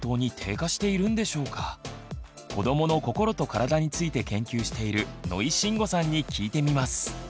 子どもの心と体について研究している野井真吾さんに聞いてみます。